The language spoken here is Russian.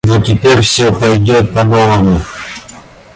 Но теперь всё пойдет по новому.